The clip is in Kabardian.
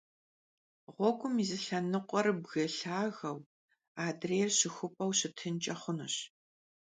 Ğuegum yi zı lhenıkhuer bgı lhageu, adrêyr şıxup'eu şıtınç'e xhunuş.